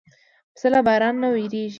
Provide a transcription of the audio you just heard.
پسه له باران نه وېرېږي.